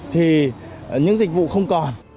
thì những dịch vụ không còn